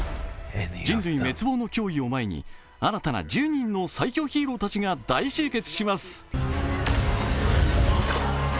人類滅亡の脅威を前に新たな１０人の最強ヒーローたちが大集結します。